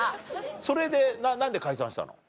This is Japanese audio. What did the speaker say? それで何で解散したの？